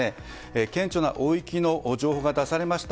顕著な大雪の情報が出されました